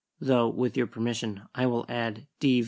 "Though, with your permission, I will add 'D.